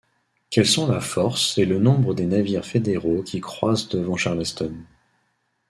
Quels sont la force et le nombre des navires fédéraux qui croisent devant Charleston?